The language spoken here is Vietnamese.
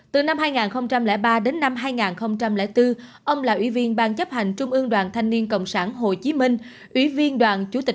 từ năm hai nghìn ba đến năm hai nghìn bốn ông là ủy viên bang chấp hành trung ương đoàn thanh niên cộng sản hồ chí minh